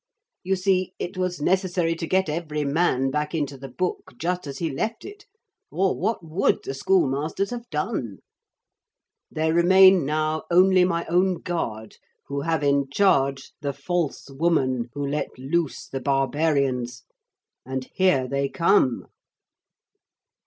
You see it was necessary to get every man back into the book just as he left it, or what would the schoolmasters have done? There remain now only my own guard who have in charge the false woman who let loose the barbarians. And here they come.'